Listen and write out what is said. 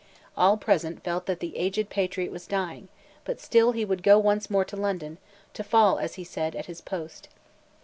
All present felt that the aged patriot was dying, but still he would go once more to London, to fall, as he said, "at his post."